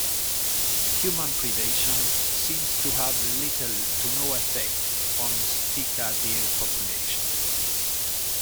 Human predation seems to have little to no effect on Sitka deer populations.